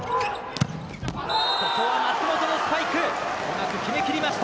ここは舛本のスパイク決め切りました。